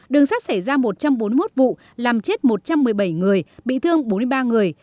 đường sắt xảy ra một trăm bốn mươi một vụ làm chết một trăm một mươi bảy người bị thương bốn mươi ba người